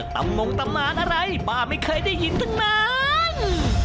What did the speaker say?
ตำงงตำนานอะไรป้าไม่เคยได้ยินตรงนั้น